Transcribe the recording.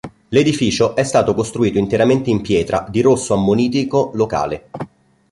L'edificio è stato costruito interamente in pietra di rosso ammonitico locale.